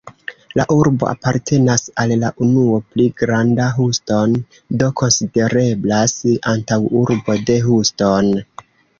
La urbo apartenas al la unuo "Pli granda Houston", do konsidereblas antaŭurbo de Houston.